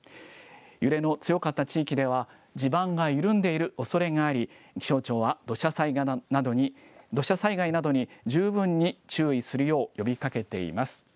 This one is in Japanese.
揺れの強かった地域では、地盤が緩んでいるおそれがあり、気象庁は土砂災害などに十分に注意するよう呼びかけています。